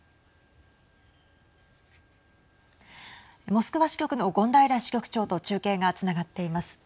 モスクワ支局の権平支局長と中継がつながっています。